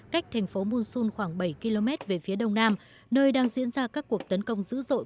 cách thành phố munsun khoảng bảy km về phía đông nam nơi đang diễn ra các cuộc tấn công dữ dội